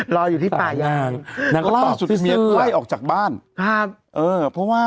รออยู่ที่ป่ายหยิงอะไรนะฟะ